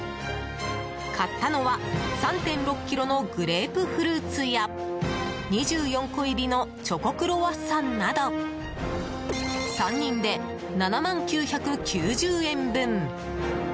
買ったのは３．６ｋｇのグレープフルーツや２４個入りのチョコクロワッサンなど３人で７万９９０円分。